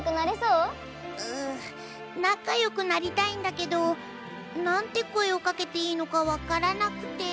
うなかよくなりたいんだけどなんて声をかけていいのかわからなくて。